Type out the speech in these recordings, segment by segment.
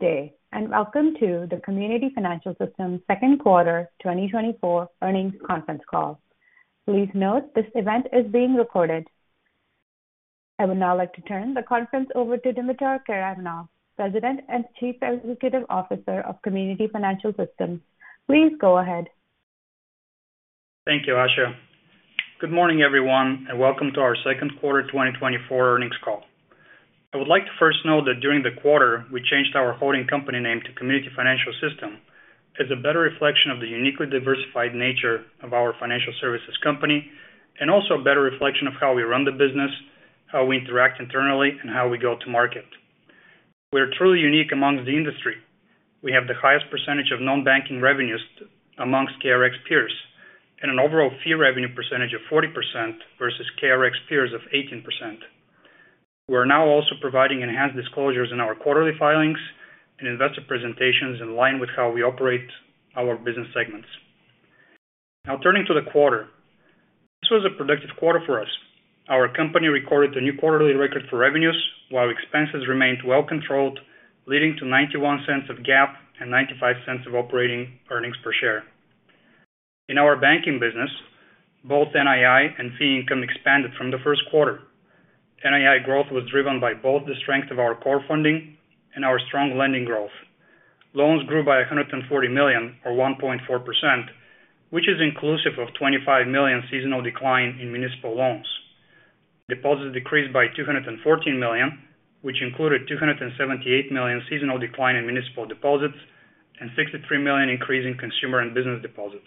Good day, and welcome to the Community Financial System Second Quarter 2024 Earnings Conference Call. Please note, this event is being recorded. I would now like to turn the conference over to Dimitar Karaivanov, President and Chief Executive Officer of Community Financial System. Please go ahead. Thank you, Ashiya. Good morning, everyone, and welcome to our Second Quarter 2024 Earnings Call. I would like to first note that during the quarter, we changed our holding company name to Community Financial System as a better reflection of the uniquely diversified nature of our financial services company, and also a better reflection of how we run the business, how we interact internally, and how we go to market. We are truly unique among the industry. We have the highest percentage of non-banking revenues amongst KRX peers and an overall fee revenue percentage of 40% versus KRX peers of 18%. We are now also providing enhanced disclosures in our quarterly filings and investor presentations in line with how we operate our business segments. Now turning to the quarter. This was a productive quarter for us. Our company recorded a new quarterly record for revenues, while expenses remained well controlled, leading to $0.91 of GAAP and $0.95 of operating earnings per share. In our banking business, both NII and fee income expanded from the first quarter. NII growth was driven by both the strength of our core funding and our strong lending growth. Loans grew by $140 million, or 1.4%, which is inclusive of $25 million seasonal decline in municipal loans. Deposits decreased by $214 million, which included $278 million seasonal decline in municipal deposits and $63 million increase in consumer and business deposits.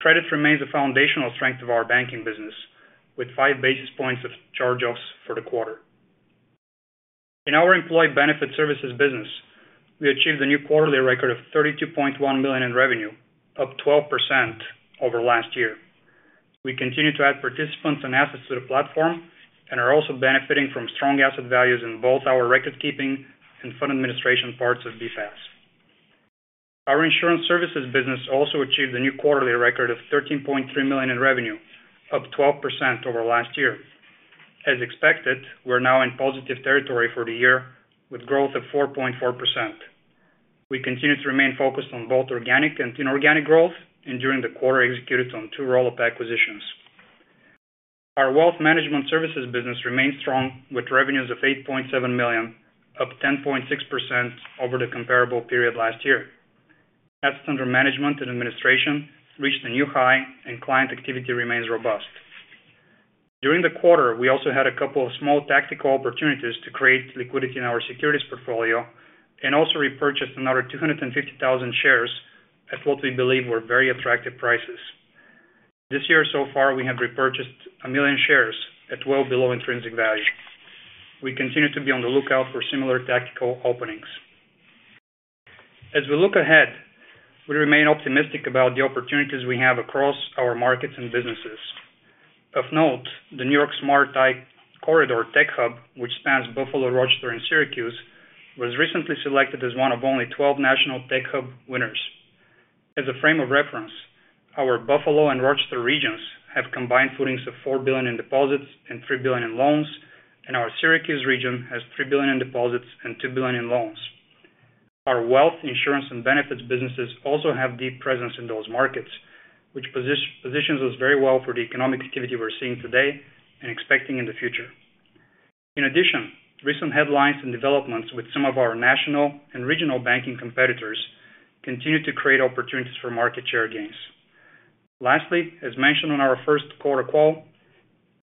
Credit remains a foundational strength of our banking business, with 5 basis points of charge-offs for the quarter. In our employee benefit services business, we achieved a new quarterly record of $32.1 million in revenue, up 12% over last year. We continue to add participants and assets to the platform and are also benefiting from strong asset values in both our record-keeping and fund administration parts of BPAS. Our insurance services business also achieved a new quarterly record of $13.3 million in revenue, up 12% over last year. As expected, we're now in positive territory for the year, with growth of 4.4%. We continue to remain focused on both organic and inorganic growth, and during the quarter, executed on two roll-up acquisitions. Our wealth management services business remains strong, with revenues of $8.7 million, up 10.6% over the comparable period last year. Assets under management and administration reached a new high and client activity remains robust. During the quarter, we also had a couple of small tactical opportunities to create liquidity in our securities portfolio and also repurchased another 250,000 shares at what we believe were very attractive prices. This year, so far, we have repurchased 1 million shares at well below intrinsic value. We continue to be on the lookout for similar tactical openings. As we look ahead, we remain optimistic about the opportunities we have across our markets and businesses. Of note, the NY SMART I-Corridor Tech Hub, which spans Buffalo, Rochester, and Syracuse, was recently selected as one of only 12 national tech hub winners. As a frame of reference, our Buffalo and Rochester regions have combined footings of $4 billion in deposits and $3 billion in loans, and our Syracuse region has $3 billion in deposits and $2 billion in loans. Our wealth, insurance, and benefits businesses also have deep presence in those markets, which positions us very well for the economic activity we're seeing today and expecting in the future. In addition, recent headlines and developments with some of our national and regional banking competitors continue to create opportunities for market share gains. Lastly, as mentioned on our first quarter call,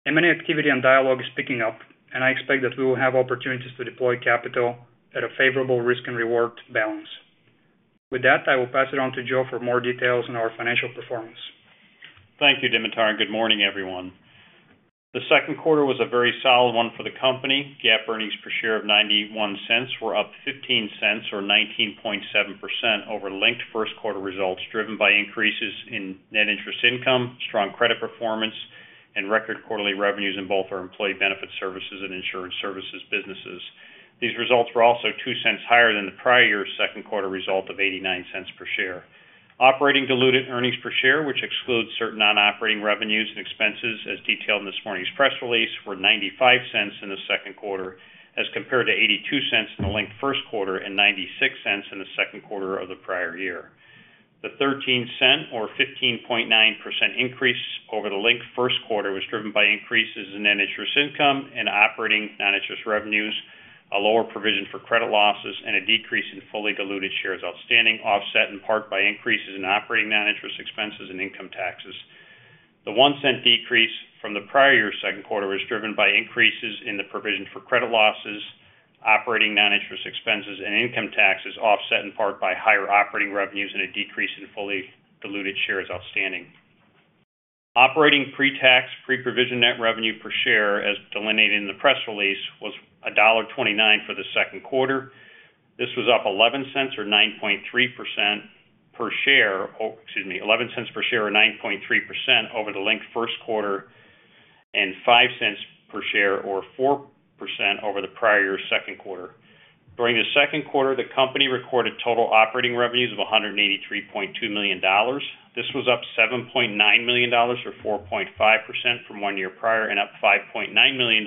M&A activity and dialogue is picking up, and I expect that we will have opportunities to deploy capital at a favorable risk and reward balance. With that, I will pass it on to Joe for more details on our financial performance. Thank you, Dimitar, and good morning, everyone. The second quarter was a very solid one for the company. GAAP earnings per share of $0.91 were up $0.15 or 19.7% over linked first quarter results, driven by increases in net interest income, strong credit performance, and record quarterly revenues in both our employee benefits services and insurance services businesses. These results were also $0.02 higher than the prior year's second quarter result of $0.89 per share. Operating diluted earnings per share, which excludes certain non-operating revenues and expenses, as detailed in this morning's press release, were $0.95 in the second quarter, as compared to $0.82 in the linked first quarter and $0.96 in the second quarter of the prior year. The $0.13 or 15.9% increase over the linked first quarter was driven by increases in net interest income and operating non-interest revenues, a lower provision for credit losses, and a decrease in fully diluted shares outstanding, offset in part by increases in operating non-interest expenses and income taxes. The $0.01 decrease from the prior year's second quarter was driven by increases in the provision for credit losses, operating non-interest expenses, and income taxes, offset in part by higher operating revenues and a decrease in fully diluted shares outstanding. Operating pre-tax, pre-provision net revenue per share, as delineated in the press release, was $1.29 for the second quarter. This was up $0.11 or 9.3% per share. Oh, excuse me, $0.11 per share or 9.3% over the linked first quarter, and $0.05 per share or 4% over the prior year's second quarter. During the second quarter, the company recorded total operating revenues of $183.2 million. This was up $7.9 million, or 4.5% from one year prior, and up $5.9 million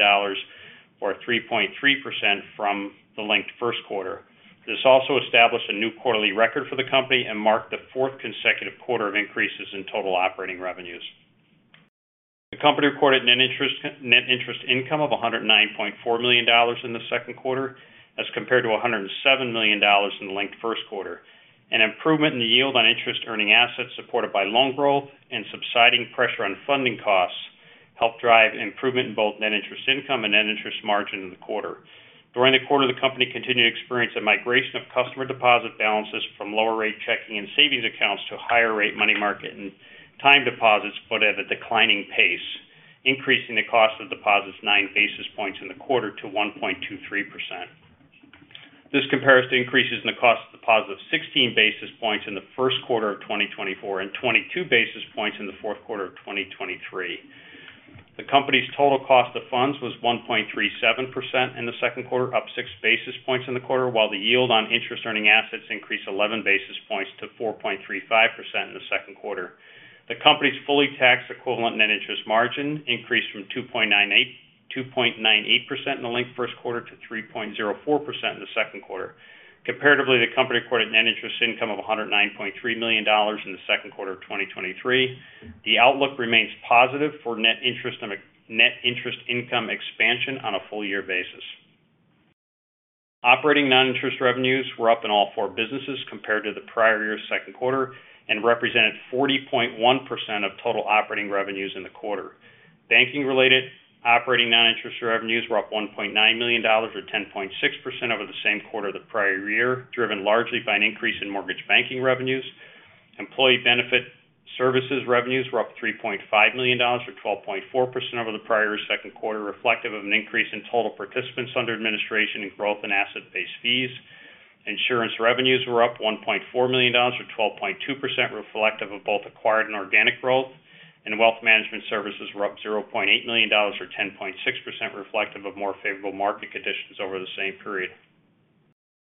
or 3.3% from the linked first quarter. This also established a new quarterly record for the company and marked the fourth consecutive quarter of increases in total operating revenues. The company recorded net interest income of $109.4 million in the second quarter, as compared to $107 million in the linked first quarter. An improvement in the yield on interest-earning assets, supported by loan growth and subsiding pressure on funding costs, helped drive improvement in both net interest income and net interest margin in the quarter. During the quarter, the company continued to experience a migration of customer deposit balances from lower rate checking and savings accounts to higher rate money market and time deposits, but at a declining pace, increasing the cost of deposits 9 basis points in the quarter to 1.23%. This compares to increases in the cost of deposits 16 basis points in the first quarter of 2024, and 22 basis points in the fourth quarter of 2023. The company's total cost of funds was 1.37% in the second quarter, up 6 basis points in the quarter, while the yield on interest-earning assets increased 11 basis points to 4.35% in the second quarter. The company's fully taxable-equivalent net interest margin increased from 2.98, 2.98% in the linked first quarter to 3.04% in the second quarter. Comparatively, the company recorded net interest income of $109.3 million in the second quarter of 2023. The outlook remains positive for net interest and net interest income expansion on a full year basis. Operating non-interest revenues were up in all four businesses compared to the prior year's second quarter, and represented 40.1% of total operating revenues in the quarter. Banking-related operating non-interest revenues were up $1.9 million, or 10.6% over the same quarter of the prior year, driven largely by an increase in mortgage banking revenues. Employee benefit services revenues were up $3.5 million, or 12.4% over the prior year's second quarter, reflective of an increase in total participants under administration and growth in asset-based fees. Insurance revenues were up $1.4 million, or 12.2%, reflective of both acquired and organic growth. And wealth management services were up $0.8 million, or 10.6%, reflective of more favorable market conditions over the same period.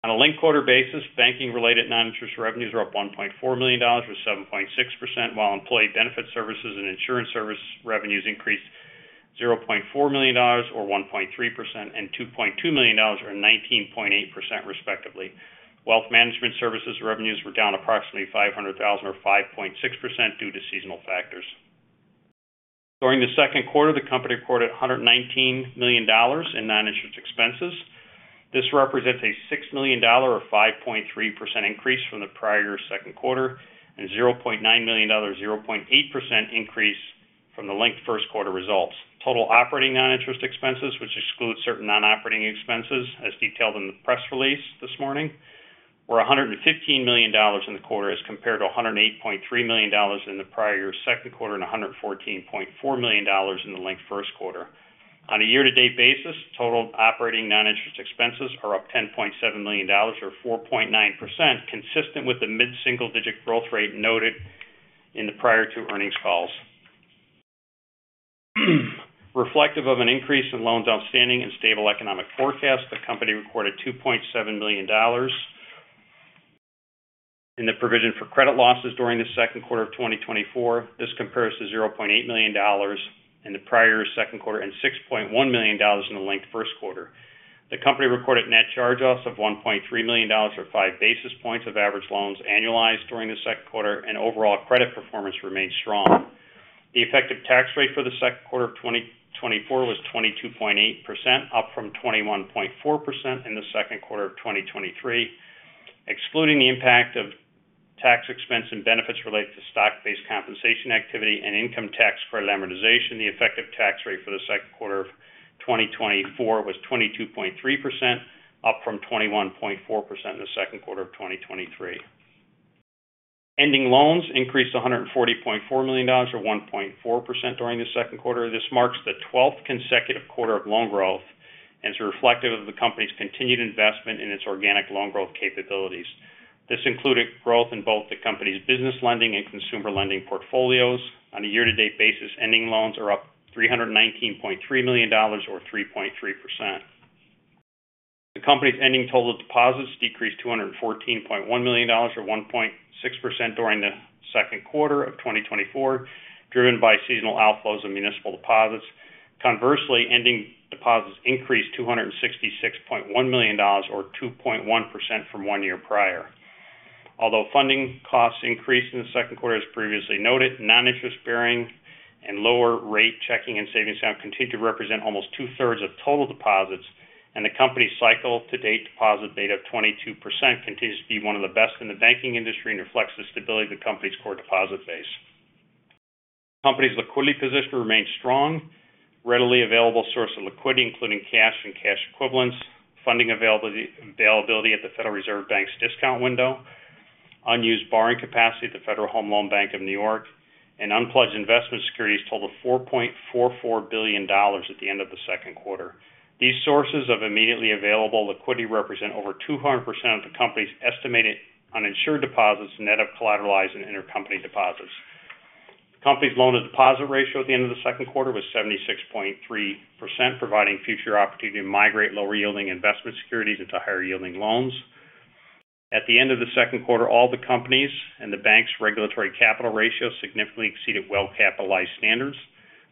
On a linked quarter basis, banking-related non-interest revenues were up $1.4 million, or 7.6%, while employee benefit services and insurance service revenues increased $0.4 million, or 1.3%, and $2.2 million, or 19.8%, respectively. Wealth management services revenues were down approximately $500,000, or 5.6% due to seasonal factors. During the second quarter, the company reported $119 million in non-interest expenses. This represents a $6 million, or 5.3% increase from the prior year's second quarter, and $0.9 million, or 0.8% increase from the linked first quarter results. Total operating non-interest expenses, which excludes certain non-operating expenses, as detailed in the press release this morning, were $115 million in the quarter, as compared to $108.3 million in the prior year's second quarter, and $114.4 million in the linked first quarter. On a year-to-date basis, total operating non-interest expenses are up $10.7 million, or 4.9%, consistent with the mid-single-digit growth rate noted in the prior two earnings calls. Reflective of an increase in loans outstanding and stable economic forecast, the company recorded $2.7 million in the provision for credit losses during the second quarter of 2024. This compares to $0.8 million in the prior second quarter, and $6.1 million in the linked first quarter. The company recorded net charge-offs of $1.3 million, or 5 basis points of average loans annualized during the second quarter, and overall credit performance remained strong. The effective tax rate for the second quarter of 2024 was 22.8%, up from 21.4% in the second quarter of 2023. Excluding the impact of tax expense and benefits related to stock-based compensation activity and income tax for amortization, the effective tax rate for the second quarter of 2024 was 22.3%, up from 21.4% in the second quarter of 2023. Ending loans increased $140.4 million, or 1.4% during the second quarter. This marks the twelfth consecutive quarter of loan growth and is reflective of the company's continued investment in its organic loan growth capabilities. This included growth in both the company's business lending and consumer lending portfolios. On a year-to-date basis, ending loans are up $319.3 million, or 3.3%. The company's ending total deposits decreased $214.1 million, or 1.6% during the second quarter of 2024, driven by seasonal outflows and municipal deposits. Conversely, ending deposits increased $266.1 million, or 2.1% from one year prior. Although funding costs increased in the second quarter, as previously noted, non-interest-bearing and lower rate checking and savings accounts continue to represent almost two-thirds of total deposits, and the company's cycle to date deposit beta of 22% continues to be one of the best in the banking industry and reflects the stability of the company's core deposit base. The company's liquidity position remains strong, readily available source of liquidity, including cash and cash equivalents, funding availability at the Federal Reserve Bank's discount window, unused borrowing capacity at the Federal Home Loan Bank of New York, and unpledged investment securities totaled $4.44 billion at the end of the second quarter. These sources of immediately available liquidity represent over 200% of the company's estimated uninsured deposits, net of collateralized and intercompany deposits. The company's loan-to-deposit ratio at the end of the second quarter was 76.3%, providing future opportunity to migrate lower-yielding investment securities into higher-yielding loans.... At the end of the second quarter, all the companies and the bank's regulatory capital ratio significantly exceeded well-capitalized standards.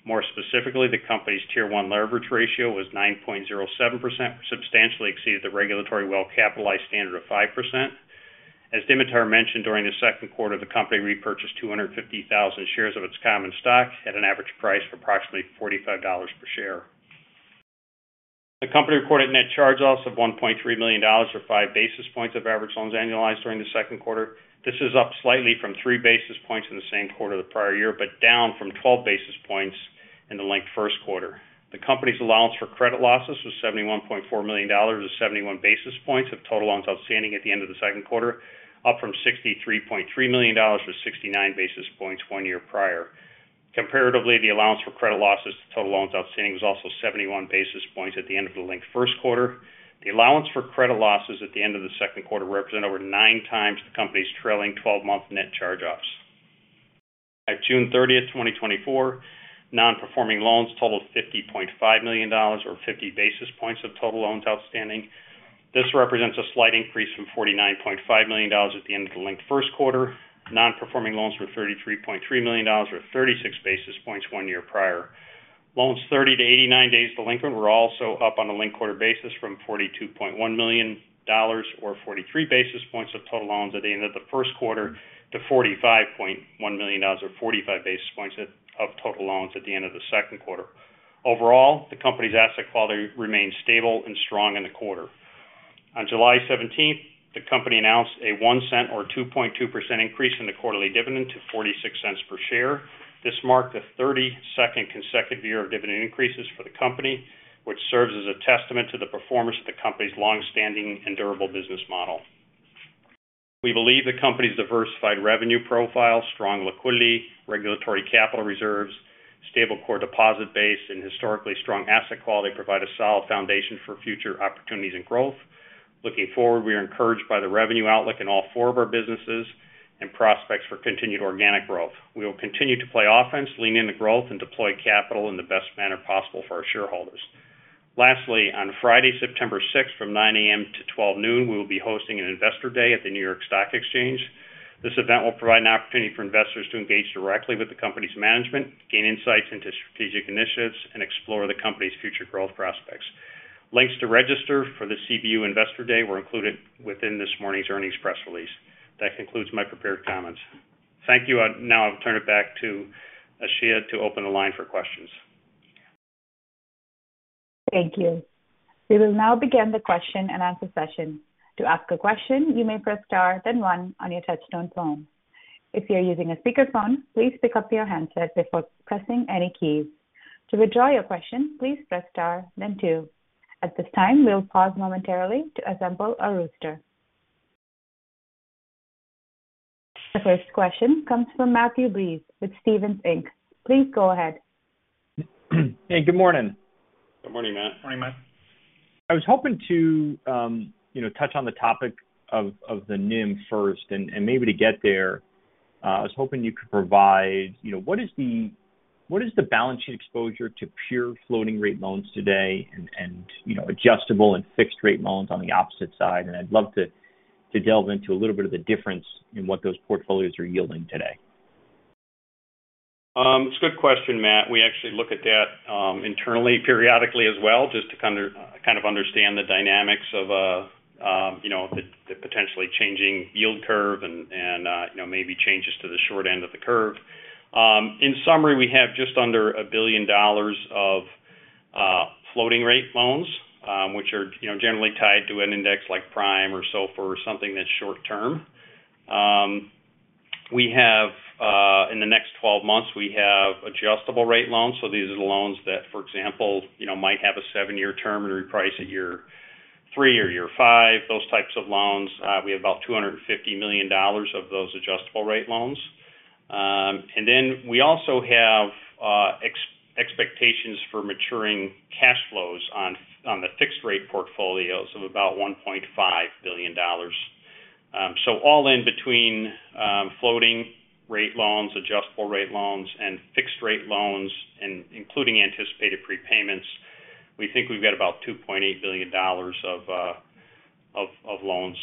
More specifically, the company's Tier 1 leverage ratio was 9.07%, substantially exceeded the regulatory well-capitalized standard of 5%. As Dimitar mentioned, during the second quarter, the company repurchased 250,000 shares of its common stock at an average price of approximately $45 per share. The company recorded net charge-offs of $1.3 million, or 5 basis points of average loans annualized during the second quarter. This is up slightly from 3 basis points in the same quarter of the prior year, but down from 12 basis points in the linked first quarter. The company's allowance for credit losses was $71.4 million, or 71 basis points of total loans outstanding at the end of the second quarter, up from $63.3 million, or 69 basis points one year prior. Comparatively, the allowance for credit losses to total loans outstanding was also 71 basis points at the end of the linked first quarter. The allowance for credit losses at the end of the second quarter represents over 9x the company's trailing 12-month net charge-offs. At June 30th, 2024, non-performing loans totaled $50.5 million, or 50 basis points of total loans outstanding. This represents a slight increase from $49.5 million at the end of the linked first quarter. Non-performing loans were $33.3 million, or 36 basis points one year prior. Loans 30-89 days delinquent were also up on a linked quarter basis from $42.1 million, or 43 basis points of total loans at the end of the first quarter, to $45.1 million, or 45 basis points of total loans at the end of the second quarter. Overall, the company's asset quality remained stable and strong in the quarter. On July 17th, the company announced a $0.01 or 2.2% increase in the quarterly dividend to $0.46 per share. This marked the 32nd consecutive year of dividend increases for the company, which serves as a testament to the performance of the company's long-standing and durable business model. We believe the company's diversified revenue profile, strong liquidity, regulatory capital reserves, stable core deposit base, and historically strong asset quality provide a solid foundation for future opportunities and growth. Looking forward, we are encouraged by the revenue outlook in all four of our businesses and prospects for continued organic growth. We will continue to play offense, lean into growth, and deploy capital in the best manner possible for our shareholders. Lastly, on Friday, September 6th, from 9:00 A.M. to 12:00 noon, we will be hosting an Investor Day at the New York Stock Exchange. This event will provide an opportunity for investors to engage directly with the company's management, gain insights into strategic initiatives, and explore the company's future growth prospects. Links to register for the CBU Investor Day were included within this morning's earnings press release. That concludes my prepared comments. Thank you. I'll now I'll turn it back to Ashiya to open the line for questions. Thank you. We will now begin the question and answer session. To ask a question, you may press star, then one on your touchtone phone. If you're using a speakerphone, please pick up your handset before pressing any keys. To withdraw your question, please press star then two. At this time, we'll pause momentarily to assemble our roster. The first question comes from Matthew Breese with Stephens Inc. Please go ahead. Hey, good morning. Good morning, Matt. Morning, Matt. I was hoping to, you know, touch on the topic of the NIM first, and maybe to get there, I was hoping you could provide, you know, what is the balance sheet exposure to pure floating rate loans today and, you know, adjustable and fixed rate loans on the opposite side? And I'd love to delve into a little bit of the difference in what those portfolios are yielding today. It's a good question, Matt. We actually look at that, internally, periodically as well, just to kind of understand the dynamics of, you know, the potentially changing yield curve and, you know, maybe changes to the short end of the curve. In summary, we have just under $1 billion of floating rate loans, which are, you know, generally tied to an index like Prime or SOFR or something that's short term. In the next 12 months, we have adjustable rate loans. So these are the loans that, for example, you know, might have a 7-year term and reprice at year 3 or year 5, those types of loans. We have about $250 million of those adjustable rate loans. And then we also have expectations for maturing cash flows on the fixed-rate portfolios of about $1.5 billion. So all in between floating-rate loans, adjustable-rate loans, and fixed-rate loans, and including anticipated prepayments, we think we've got about $2.8 billion of loans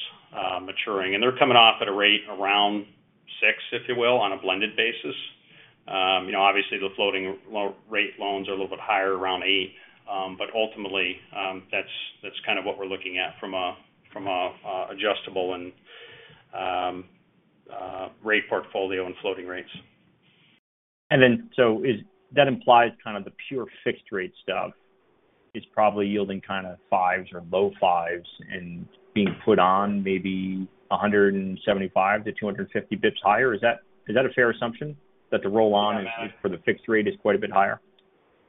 maturing. And they're coming off at a rate around 6%, if you will, on a blended basis. You know, obviously, the floating-rate loans are a little bit higher, around 8%. But ultimately, that's kind of what we're looking at from an adjustable-rate portfolio and floating rates. So that implies kind of the pure fixed rate stuff is probably yielding kind of fives or low fives and being put on maybe 175-250 basis points higher. Is that, is that a fair assumption, that the roll-on- Yeah, Matt - for the fixed rate is quite a bit higher?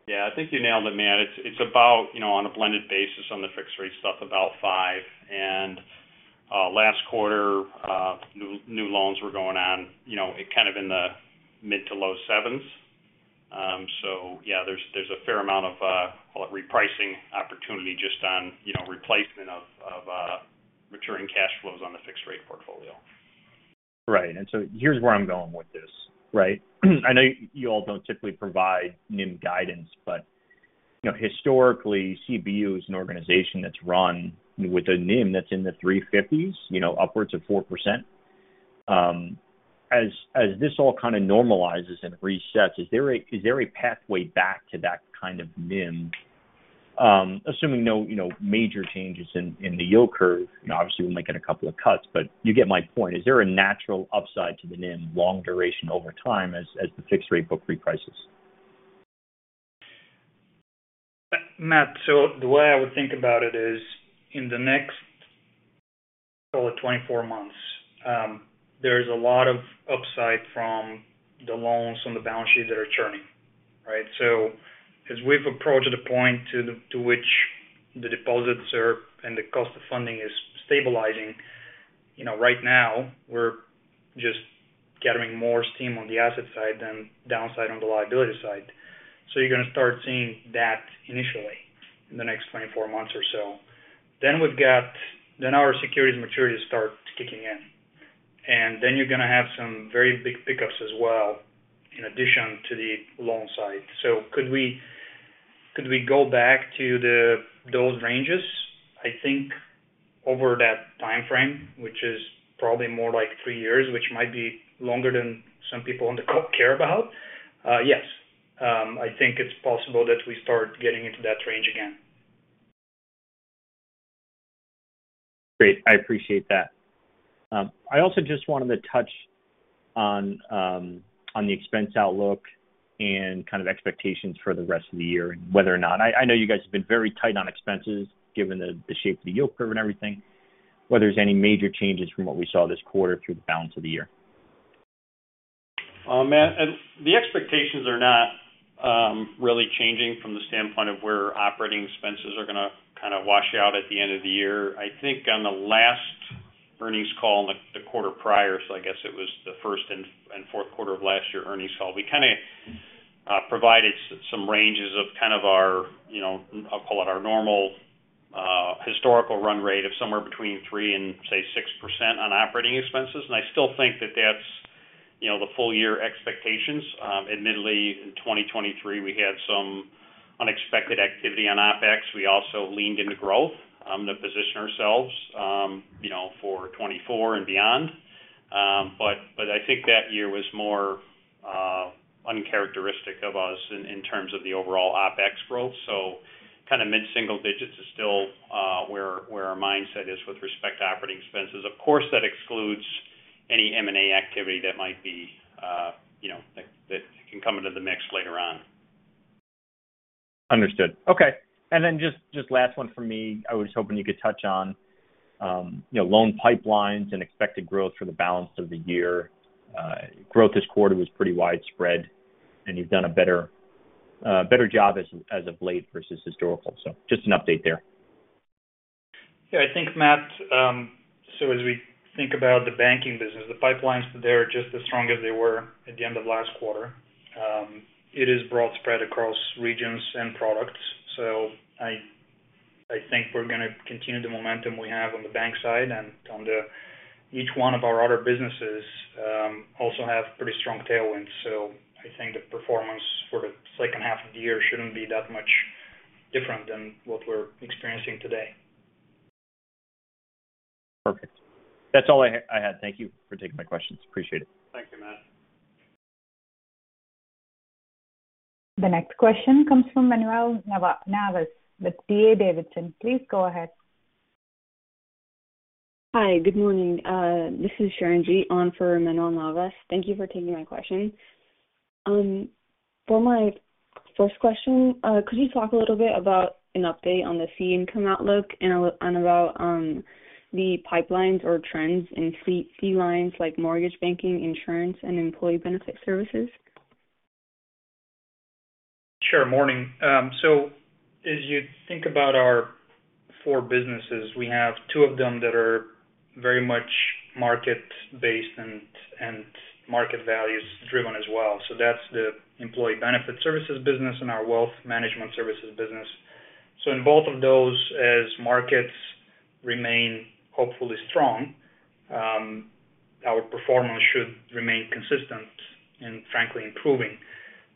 Yeah, I think you nailed it, Matt. It's about, you know, on a blended basis, on the fixed rate stuff, about 5. And last quarter, new loans were going on, you know, kind of in the mid- to low 7s. So yeah, there's a fair amount of call it, repricing opportunity just on, you know, replacement of returning cash flows on the fixed rate portfolio.... Right, and so here's where I'm going with this, right? I know you all don't typically provide NIM guidance, but, you know, historically, CBU is an organization that's run with a NIM that's in the 3.50s, you know, upwards of 4%. As this all kind of normalizes and resets, is there a pathway back to that kind of NIM, assuming no, you know, major changes in the yield curve? You know, obviously, we might get a couple of cuts, but you get my point. Is there a natural upside to the NIM, long duration over time as the fixed rate book reprices? Matt, so the way I would think about it is, in the next call it 24 months, there's a lot of upside from the loans on the balance sheet that are churning, right? So as we've approached the point to the- to which the deposits are and the cost of funding is stabilizing, you know, right now, we're just gathering more steam on the asset side than downside on the liability side. So you're going to start seeing that initially in the next 24 months or so. Then we've got -- then our securities maturities start kicking in, and then you're going to have some very big pickups as well, in addition to the loan side. So could we, could we go back to the- those ranges? I think over that timeframe, which is probably more like 3 years, which might be longer than some people on the call care about, yes, I think it's possible that we start getting into that range again. Great. I appreciate that. I also just wanted to touch on, on the expense outlook and kind of expectations for the rest of the year and whether or not I know you guys have been very tight on expenses, given the shape of the yield curve and everything. Whether there's any major changes from what we saw this quarter through the balance of the year? Matt, the expectations are not really changing from the standpoint of where operating expenses are gonna kind of wash out at the end of the year. I think on the last earnings call, in the quarter prior, so I guess it was the first and fourth quarter of last year earnings call, we kind of provided some ranges of kind of our, you know, I'll call it our normal historical run rate of somewhere between 3%-6% on operating expenses. I still think that that's, you know, the full year expectations. Admittedly, in 2023, we had some unexpected activity on OpEx. We also leaned into growth to position ourselves, you know, for 2024 and beyond. But I think that year was more uncharacteristic of us in terms of the overall OpEx growth. So kind of mid-single digits is still where our mindset is with respect to operating expenses. Of course, that excludes any M&A activity that might be, you know, that can come into the mix later on. Understood. Okay. And then just last one from me. I was hoping you could touch on, you know, loan pipelines and expected growth for the balance of the year. Growth this quarter was pretty widespread, and you've done a better job as of late versus historical. So just an update there. Yeah, I think, Matt, so as we think about the banking business, the pipelines, they are just as strong as they were at the end of last quarter. It is broad spread across regions and products. So I, I think we're gonna continue the momentum we have on the bank side and on the... Each one of our other businesses also have pretty strong tailwinds. So I think the performance for the second half of the year shouldn't be that much different than what we're experiencing today. Perfect. That's all I had. Thank you for taking my questions. Appreciate it. Thank you, Matt. The next question comes from Manuel Navas with D.A. Davidson. Please go ahead. Hi, good morning. This is Sharon Gee on for Manuel Navas. Thank you for taking my question. For my first question, could you talk a little bit about an update on the fee income outlook and about the pipelines or trends in fee lines like mortgage banking, insurance, and employee benefit services? Sure. Morning. So as you think about our four businesses, we have two of them that are very much market-based and, and market values driven as well. So that's the employee benefit services business and our wealth management services business. So in both of those, as markets remain hopefully strong, our performance should remain consistent and frankly, improving.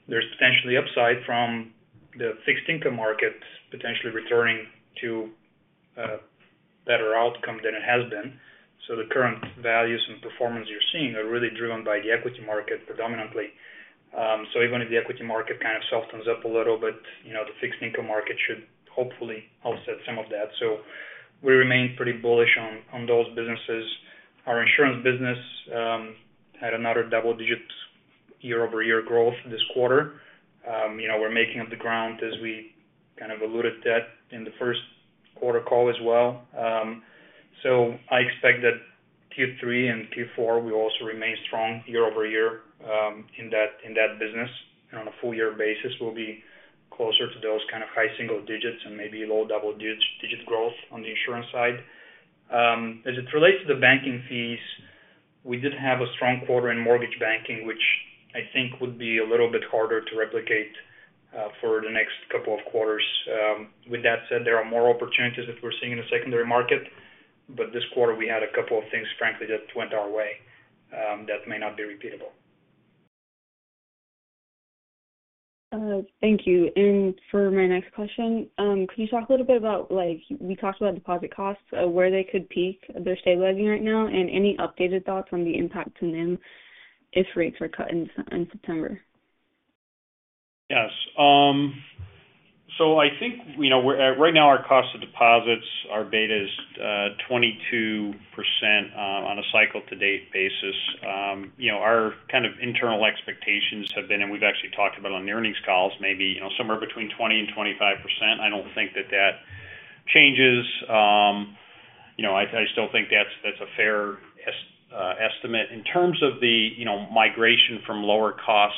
There's potentially upside from the fixed income markets, potentially returning to a better outcome than it has been. So the current values and performance you're seeing are really driven by the equity market, predominantly. So even if the equity market kind of softens up a little bit, you know, the fixed income market should hopefully offset some of that. So we remain pretty bullish on, on those businesses. Our insurance business had another double digits year-over-year growth this quarter. You know, we're making up the ground as we kind of alluded to that in the first quarter call as well. So I expect that Q3 and Q4 will also remain strong year-over-year, in that business. And on a full year basis, we'll be closer to those kind of high single digits and maybe low double-digit growth on the insurance side. As it relates to the banking fees, we did have a strong quarter in mortgage banking, which I think would be a little bit harder to replicate for the next couple of quarters. With that said, there are more opportunities that we're seeing in the secondary market, but this quarter we had a couple of things, frankly, that went our way, that may not be repeatable. Thank you. For my next question, could you talk a little bit about, like, we talked about deposit costs, where they could peak if they're stable right now, and any updated thoughts on the impact to NIM if rates were cut in September? Yes. So I think, you know, we're right now, our cost of deposits, our beta is, 22%, on a cycle-to-date basis. You know, our kind of internal expectations have been, and we've actually talked about on the earnings calls, maybe, you know, somewhere between 20% and 25%. I don't think that that changes. You know, I, I still think that's, that's a fair estimate. In terms of the, you know, migration from lower cost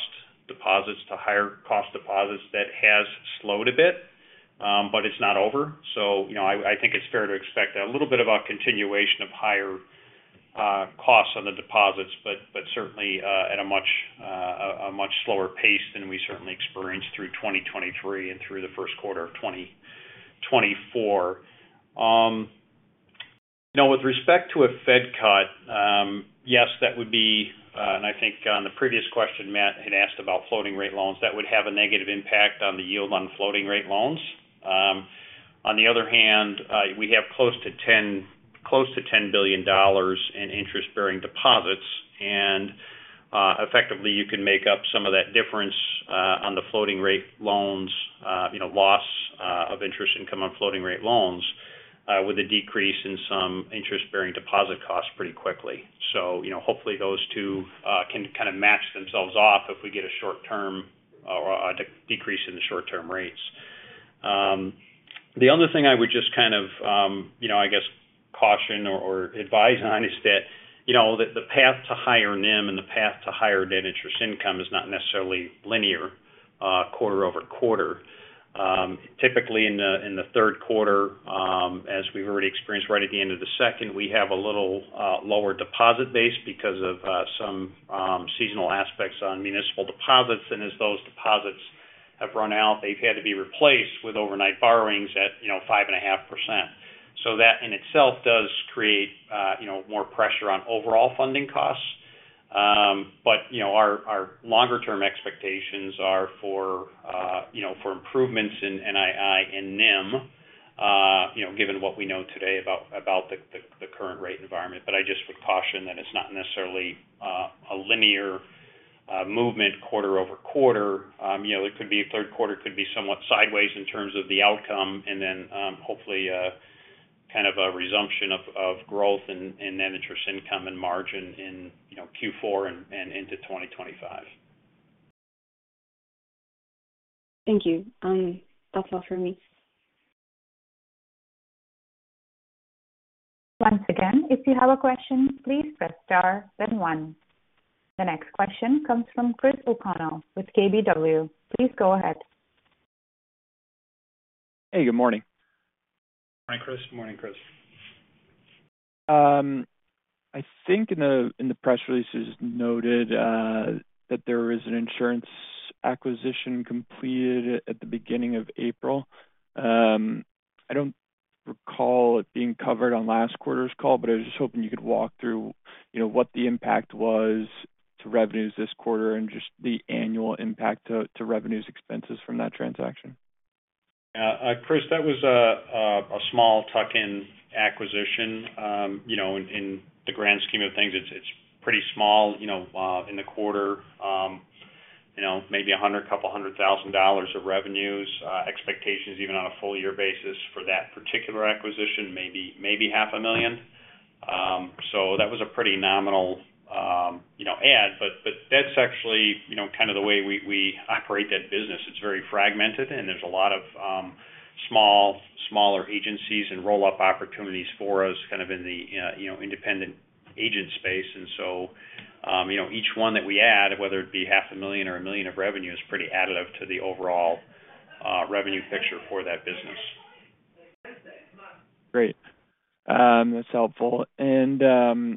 deposits to higher cost deposits, that has slowed a bit, but it's not over. So, you know, I, I think it's fair to expect a little bit of a continuation of higher, costs on the deposits, but, but certainly, at a much, a much slower pace than we certainly experienced through 2023 and through the first quarter of 2024. Now, with respect to a Fed cut, yes, that would be, and I think on the previous question, Matt had asked about floating rate loans, that would have a negative impact on the yield on floating rate loans. On the other hand, we have close to 10, close to $10 billion in interest-bearing deposits, and, effectively, you can make up some of that difference, on the floating rate loans, you know, loss of interest income on floating rate loans, with a decrease in some interest-bearing deposit costs pretty quickly. So, you know, hopefully, those two can kind of match themselves off if we get a short term or a decrease in the short-term rates. The other thing I would just kind of, you know, I guess caution or advise on is that, you know, that the path to higher NIM and the path to higher net interest income is not necessarily linear, quarter-over-quarter. Typically in the third quarter, as we've already experienced right at the end of the second, we have a little lower deposit base because of some seasonal aspects on municipal deposits. And as those deposits have run out, they've had to be replaced with overnight borrowings at, you know, 5.5%. So that in itself does create, you know, more pressure on overall funding costs. But, you know, our longer term expectations are for, you know, for improvements in NII and NIM, you know, given what we know today about the current rate environment. But I just would caution that it's not necessarily a linear movement quarter over quarter. You know, it could be a third quarter, could be somewhat sideways in terms of the outcome, and then, hopefully, kind of a resumption of growth in net interest income and margin in, you know, Q4 and into 2025. Thank you. That's all for me. Once again, if you have a question, please press Star, then One. The next question comes from Chris O’Connell with KBW. Please go ahead. Hey, good morning. Hi, Chris. Good morning, Chris. I think in the press releases noted that there was an insurance acquisition completed at the beginning of April. I don't recall it being covered on last quarter's call, but I was just hoping you could walk through, you know, what the impact was to revenues this quarter and just the annual impact to revenues expenses from that transaction. Chris, that was a small tuck-in acquisition. You know, in the grand scheme of things, it's pretty small, you know, in the quarter. You know, maybe $100,000-$200,000 of revenues. Expectations, even on a full year basis for that particular acquisition, maybe $500,000. So that was a pretty nominal, you know, add. But that's actually, you know, kind of the way we operate that business. It's very fragmented, and there's a lot of small, smaller agencies and roll-up opportunities for us, kind of in the, you know, independent agent space. And so, you know, each one that we add, whether it be $500,000 or $1 million of revenue, is pretty additive to the overall revenue picture for that business. Great. That's helpful. And, you know,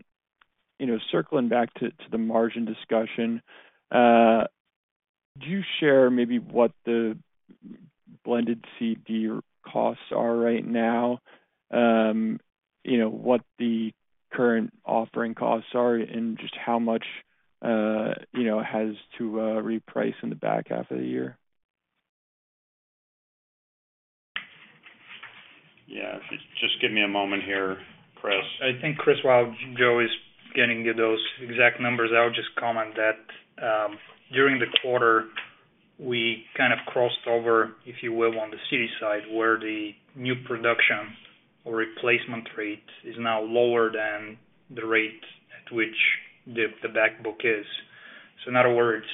circling back to the margin discussion, could you share maybe what the blended CD costs are right now? You know, what the current offering costs are and just how much, you know, has to reprice in the back half of the year? Yeah. Just give me a moment here, Chris. I think, Chris, while Joe is getting you those exact numbers, I would just comment that, during the quarter, we kind of crossed over, if you will, on the CD side, where the new production or replacement rate is now lower than the rate at which the back book is. So in other words,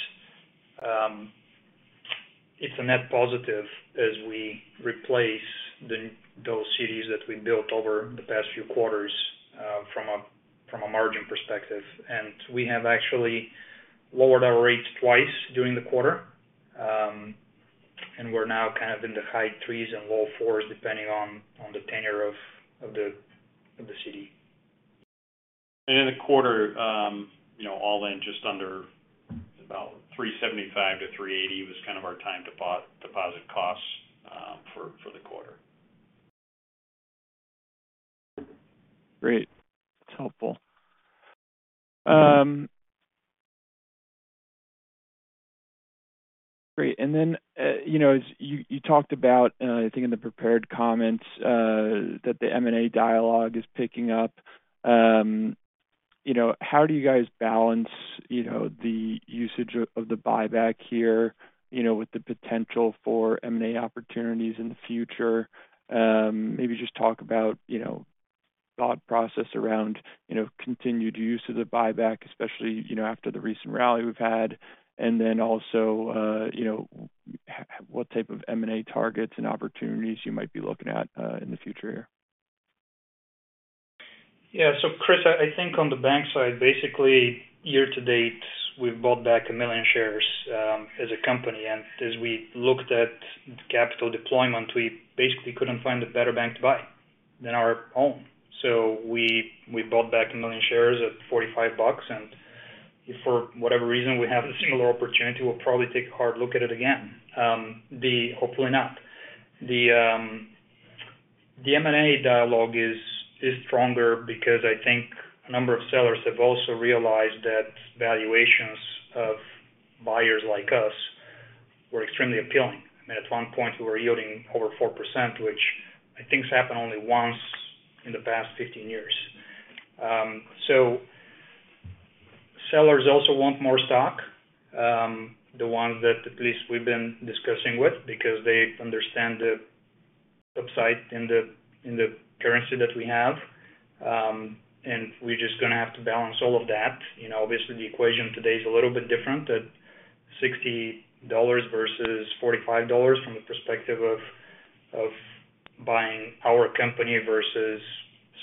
it's a net positive as we replace those CDs that we built over the past few quarters, from a margin perspective. And we have actually lowered our rates twice during the quarter, and we're now kind of in the high threes and low fours, depending on the tenure of the CD.... In the quarter, you know, all in just under about 375-380 was kind of our time deposit costs for the quarter. Great. That's helpful. Great. And then, you know, as you talked about, I think in the prepared comments, that the M&A dialogue is picking up, you know, how do you guys balance, you know, the usage of the buyback here, you know, with the potential for M&A opportunities in the future? Maybe just talk about, you know, thought process around, you know, continued use of the buyback, especially, you know, after the recent rally we've had, and then also, you know, what type of M&A targets and opportunities you might be looking at, in the future here. Yeah. So, Chris, I, I think on the bank side, basically, year to date, we've bought back 1 million shares, as a company, and as we looked at capital deployment, we basically couldn't find a better bank to buy than our own. So we, we bought back 1 million shares at $45, and if for whatever reason we have a similar opportunity, we'll probably take a hard look at it again. The... Hopefully not. The, the M&A dialogue is, is stronger because I think a number of sellers have also realized that valuations of buyers like us were extremely appealing. I mean, at one point, we were yielding over 4%, which I think has happened only once in the past 15 years. So sellers also want more stock, the ones that at least we've been discussing with, because they understand the upside in the currency that we have. And we're just gonna have to balance all of that. You know, obviously, the equation today is a little bit different, at $60 versus $45 from the perspective of buying our company versus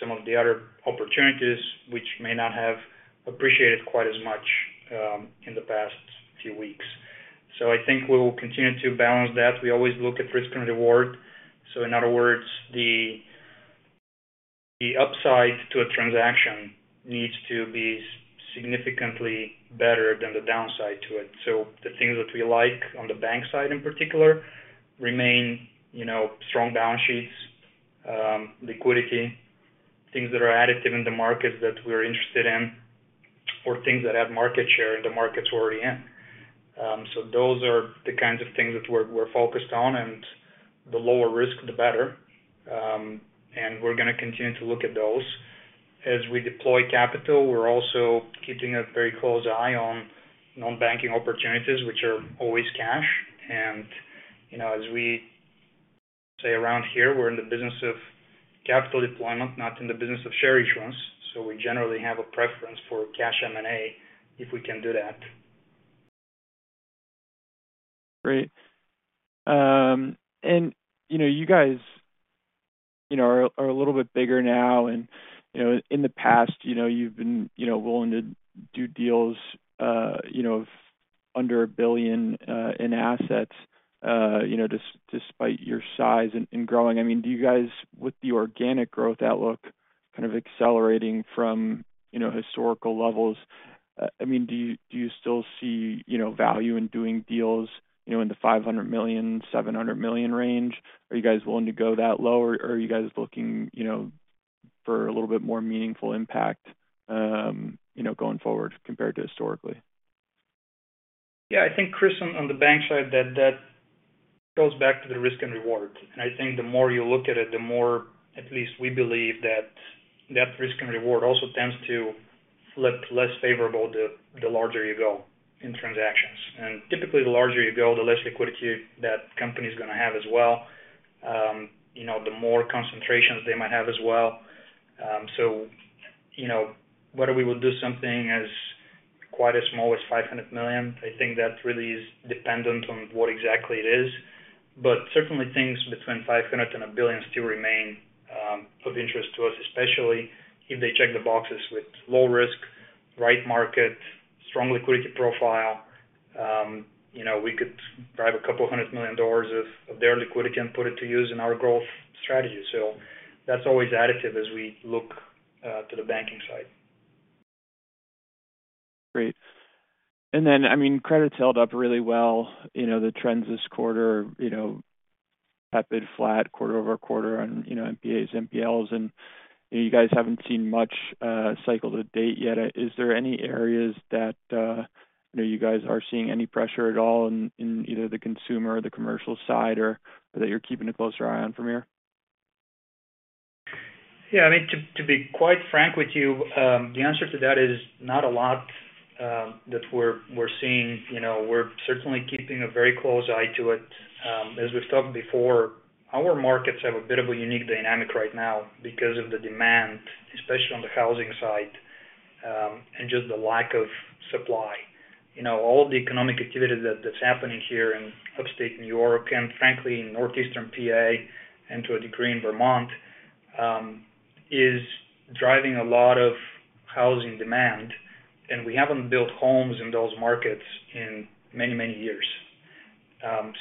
some of the other opportunities, which may not have appreciated quite as much in the past few weeks. So I think we will continue to balance that. We always look at risk and reward. So in other words, the upside to a transaction needs to be significantly better than the downside to it. So the things that we like on the bank side, in particular, remain, you know, strong balance sheets, liquidity, things that are additive in the markets that we're interested in, or things that have market share in the markets we're already in. So those are the kinds of things that we're focused on, and the lower risk, the better. And we're gonna continue to look at those. As we deploy capital, we're also keeping a very close eye on non-banking opportunities, which are always cash. And, you know, as we say around here, we're in the business of capital deployment, not in the business of share issuance, so we generally have a preference for cash M&A if we can do that. Great. And, you know, you guys, you know, are a little bit bigger now, and, you know, in the past, you know, you've been, you know, willing to do deals under $1 billion in assets, you know, despite your size and growing. I mean, do you guys, with the organic growth outlook kind of accelerating from, you know, historical levels, I mean, do you still see, you know, value in doing deals, you know, in the $500 million-$700 million range? Are you guys willing to go that low, or are you guys looking, you know, for a little bit more meaningful impact, you know, going forward compared to historically? Yeah, I think, Chris, on the bank side, that goes back to the risk and reward. And I think the more you look at it, the more, at least we believe, that that risk and reward also tends to flip less favorable the larger you go in transactions. And typically, the larger you go, the less liquidity that company is gonna have as well, you know, the more concentrations they might have as well. So, you know, whether we would do something as quite as small as $500 million, I think that really is dependent on what exactly it is. But certainly things between $500 million and $1 billion still remain of interest to us, especially if they check the boxes with low risk, right market, strong liquidity profile. You know, we could drive $200 million of their liquidity and put it to use in our growth strategy. So that's always additive as we look to the banking side. Great. I mean, credit's held up really well. You know, the trends this quarter, you know, tepid, flat, quarter-over-quarter on, you know, NPAs, NPLs, and, you know, you guys haven't seen much, cycle to date yet. Is there any areas that, you know, you guys are seeing any pressure at all in, in either the consumer or the commercial side or that you're keeping a closer eye on from here? Yeah, I mean, to be quite frank with you, the answer to that is not a lot that we're seeing. You know, we're certainly keeping a very close eye to it. As we've talked before, our markets have a bit of a unique dynamic right now because of the demand, especially on the housing side, and just the lack of supply. You know, all the economic activity that's happening here in upstate New York and frankly, in northeastern PA and to a degree in Vermont, is driving a lot of housing demand, and we haven't built homes in those markets in many, many years.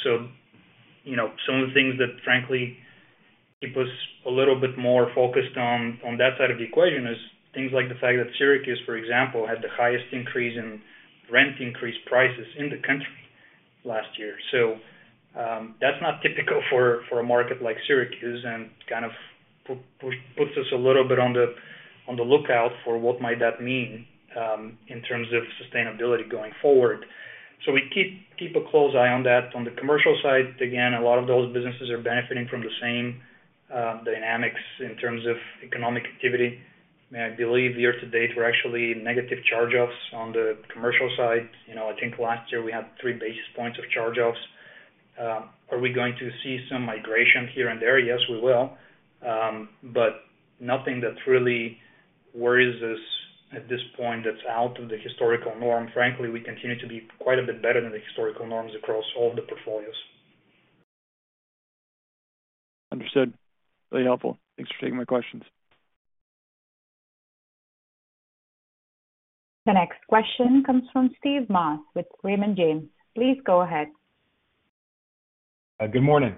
So, you know, some of the things that frankly keep us a little bit more focused on that side of the equation is things like the fact that Syracuse, for example, had the highest increase in rent increase prices in the country last year. So, that's not typical for a market like Syracuse, and kind of puts us a little bit on the lookout for what might that mean in terms of sustainability going forward. So we keep a close eye on that. On the commercial side, again, a lot of those businesses are benefiting from the same dynamics in terms of economic activity. I believe year to date, we're actually negative charge-offs on the commercial side. You know, I think last year we had 3 basis points of charge-offs. Are we going to see some migration here and there? Yes, we will. But nothing that really worries us at this point that's out of the historical norm. Frankly, we continue to be quite a bit better than the historical norms across all the portfolios. Understood. Very helpful. Thanks for taking my questions. The next question comes from Steve Moss with Raymond James. Please go ahead. Good morning.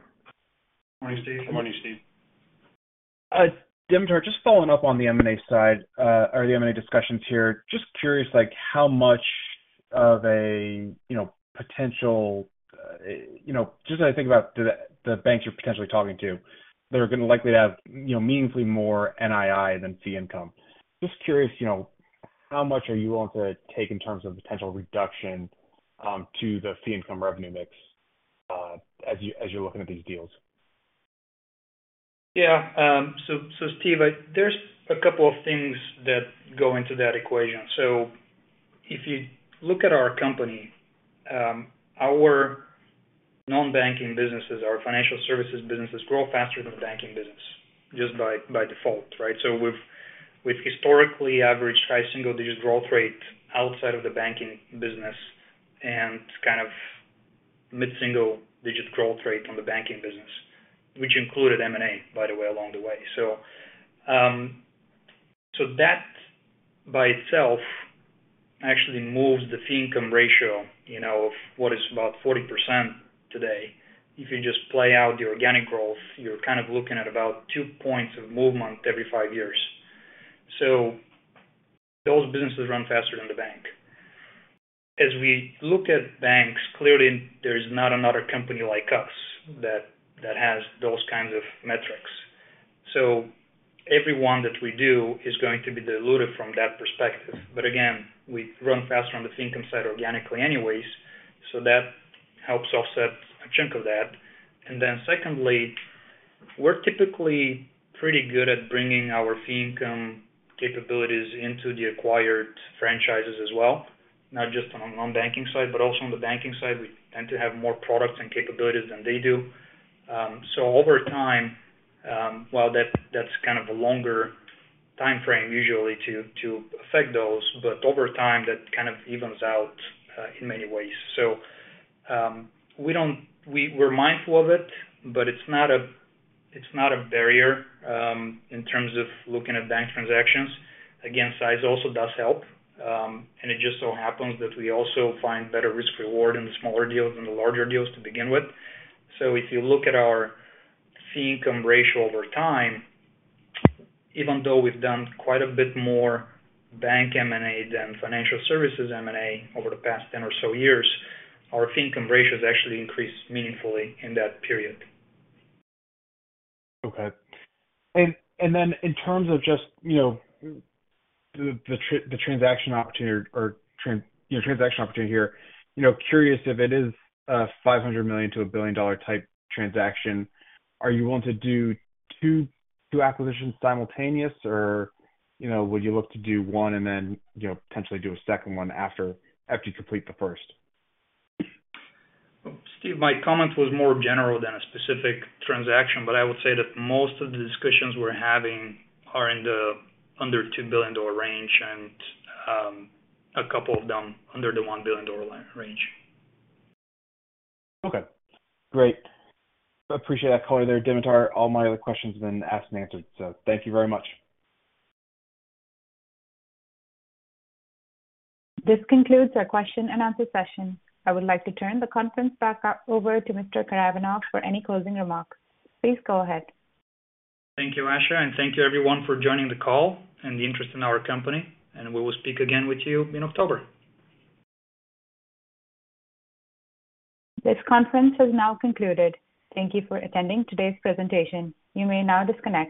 Morning, Steve. Good morning, Steve. Dimitar, just following up on the M&A side, or the M&A discussions here. Just curious, like, how much of a, you know, potential, you know, just as I think about the banks you're potentially talking to, they're gonna likely to have, you know, meaningfully more NII than fee income. Just curious, you know, how much are you willing to take in terms of potential reduction, to the fee income revenue mix, as you, as you're looking at these deals? Yeah. So, so Steve, there's a couple of things that go into that equation. So if you look at our company, our non-banking businesses, our financial services businesses, grow faster than the banking business, just by, by default, right? So we've, we've historically averaged high single digit growth rate outside of the banking business and kind of mid-single digit growth rate on the banking business, which included M&A, by the way, along the way. So, so that by itself actually moves the fee income ratio, you know, of what is about 40% today. If you just play out the organic growth, you're kind of looking at about 2 points of movement every 5 years. So those businesses run faster than the bank. As we look at banks, clearly there's not another company like us that, that has those kinds of metrics. So every one that we do is going to be diluted from that perspective. But again, we run faster on the fee income side organically anyways, so that helps offset a chunk of that. And then secondly, we're typically pretty good at bringing our fee income capabilities into the acquired franchises as well, not just on the non-banking side, but also on the banking side. We tend to have more products and capabilities than they do. So over time, while that, that's kind of a longer timeframe usually to affect those, but over time, that kind of evens out, in many ways. So, we don't... We're mindful of it, but it's not a, it's not a barrier, in terms of looking at bank transactions. Again, size also does help, and it just so happens that we also find better risk reward in the smaller deals than the larger deals to begin with. So if you look at our fee income ratio over time, even though we've done quite a bit more bank M&A than financial services M&A over the past 10 or so years, our fee income ratios actually increased meaningfully in that period. Okay. Then in terms of just, you know, the transaction opportunity. Your transaction opportunity here, you know, curious if it is a $500 million-$1 billion type transaction, are you willing to do two acquisitions simultaneous? Or, you know, would you look to do one and then, you know, potentially do a second one after you complete the first? Steve, my comment was more general than a specific transaction, but I would say that most of the discussions we're having are in the under $2 billion range and, a couple of them under the $1 billion range. Okay, great. Appreciate that clarity there, Dimitar. All my other questions have been asked and answered, so thank you very much. This concludes our question and answer session. I would like to turn the conference back over to Mr. Karaivanov for any closing remarks. Please go ahead. Thank you, Ashiya, and thank you everyone for joining the call and the interest in our company, and we will speak again with you in October. This conference is now concluded. Thank you for attending today's presentation. You may now disconnect.